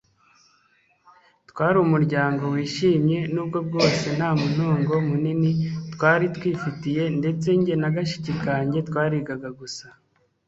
twarumuryango wishimye nubwo bwose ntamuntungo munini twari twifitiye ndetse njye na gashiki kanjye twarigaga gusa